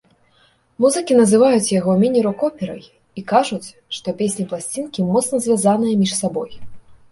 Музыкі называюць яго міні-рок-операй і кажуць, што песні пласцінкі моцна звязаныя між сабой.